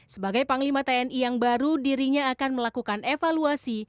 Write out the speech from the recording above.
sebagai panglima tni yang baru dirinya akan melakukan evaluasi